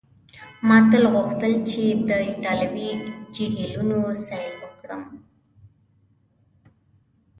ما تل غوښتل چي د ایټالوي جهیلونو سیل وکړم.